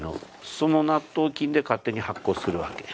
その納豆菌で勝手に発酵するわけ。